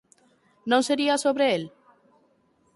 Non sería sobre el?